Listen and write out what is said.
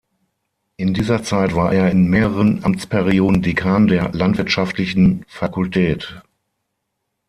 In dieser Zeit war er in mehreren Amtsperioden Dekan der landwirtschaftlichen Fakultät.